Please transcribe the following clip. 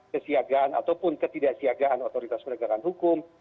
kesiagaan ataupun ketidaksiagaan otoritas penegakan hukum